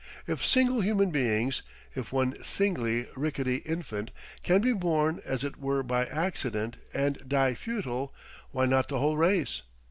If single human beings—if one single ricketty infant—can be born as it were by accident and die futile, why not the whole race?